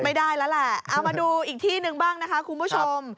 ไม่ได้แล้วแหละเอามาดูอีกที่หนึ่งบ้างนะคะคุณผู้ชม